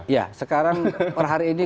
ya sekarang per hari ini